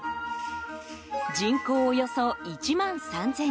人口、およそ１万３０００人。